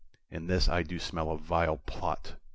In this I do smell a vile plot.